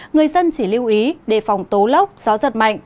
người dân chỉ lưu ý đề phòng tố lốc gió giật mạnh